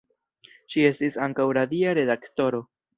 Ŝi estis ankaŭ radia redaktoro.